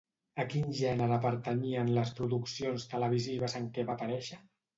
A quin gènere pertanyien les produccions televisives en què va aparèixer?